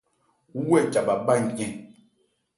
Wú hɛ ca bha bhá ncɛ́n ?